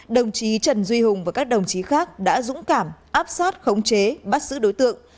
đồng chí trần duy hùng và các đồng chí khác đã dũng cảm áp sát khống chế bắt giữ đối tượng